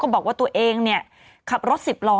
บอกว่าตัวเองขับรถ๑๐ล้อ